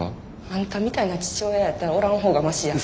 あんたみたいな父親やったらおらん方がマシや。